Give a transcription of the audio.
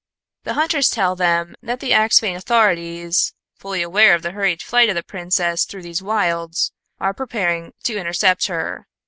The hunters tell them that the Axphain authorities, fully aware of the hurried flight of the Princess through these wilds, are preparing to intercept her.